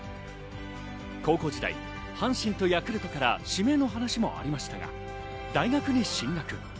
高校時代、阪神とヤクルトから指名の話もありましたが、大学へ進学。